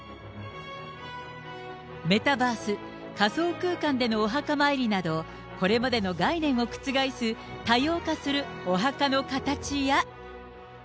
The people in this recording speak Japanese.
メタバース・仮想空間でのお墓参りなど、これまでの概念を覆す多様化するお墓の形や。